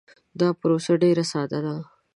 دا پروسه ډیر ساده ده.